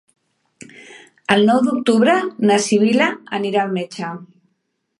El nou d'octubre na Sibil·la anirà al metge.